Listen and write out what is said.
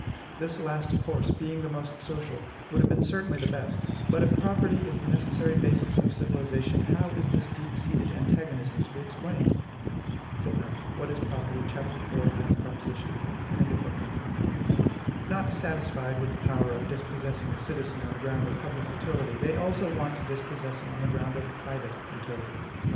This last course, being the most social, would have been certainly the best; but, if property is the necessary basis of civilization, how is this deep seated antagonism to be explained? Not satisfied with the power of dispossessing a citizen on the ground of public utility, they want also to dispossess him on the ground of PRIVATE UTILITY.